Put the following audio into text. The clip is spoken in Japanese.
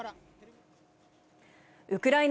ウクライナ